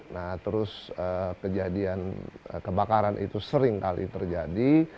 nah terus kejadian kebakaran itu sering kali terjadi